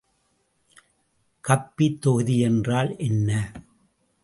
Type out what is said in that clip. கப்பித் தொகுதி என்றால் என்ன?